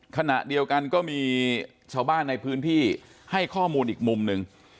ขณะเดียวกันก็มีชาวบ้านในพื้นที่ให้ข้อมูลอีกมุมหนึ่ง